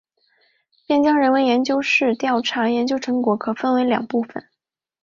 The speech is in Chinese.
边疆人文研究室调查研究成果可分为两部分。